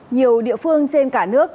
nhiều địa phương trên cả nước